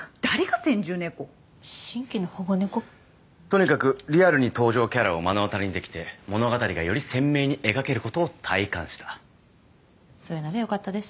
とにかくリアルに登場キャラを目の当たりにできて物語がより鮮明に描けることを体感したそれならよかったです